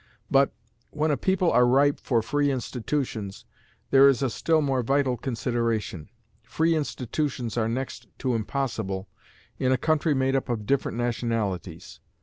But, when a people are ripe for free institutions, there is a still more vital consideration. Free institutions are next to impossible in a country made up of different nationalities.